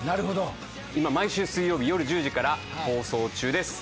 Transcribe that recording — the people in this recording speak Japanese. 毎週水曜日夜１０時から放送中です。